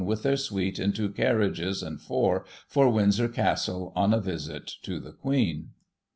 113 with their suite in two carriages and four, for Windsor Castle, on a visit to the Queen."